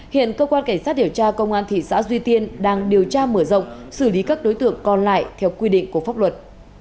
hiện công an thị xã duy tiên đang điều tra mở rộng xử lý các đối tượng còn lại theo quy định của pháp luật